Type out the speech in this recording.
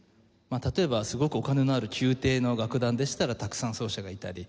例えばすごくお金のある宮廷の楽団でしたらたくさん奏者がいたり。